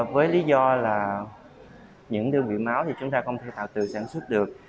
với lý do là những đơn vị máu thì chúng ta không thể tạo từ sản xuất được